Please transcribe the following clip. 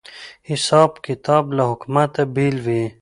حساب کتاب له حکومته بېل وي